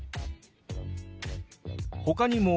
ほかにも。